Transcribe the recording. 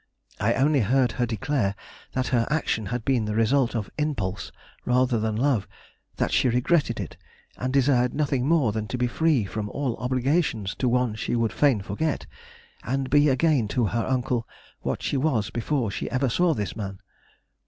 I only heard her declare that her action had been the result of impulse, rather than love; that she regretted it, and desired nothing more than to be free from all obligations to one she would fain forget, and be again to her uncle what she was before she ever saw this man.